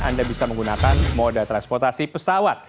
anda bisa menggunakan moda transportasi pesawat